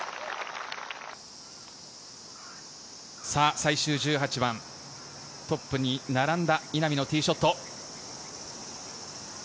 最終１８番、トップに並んだ稲見のティーショット。